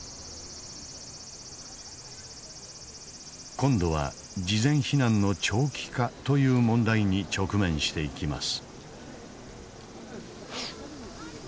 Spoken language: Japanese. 今度は事前避難の長期化という問題に直面していきます。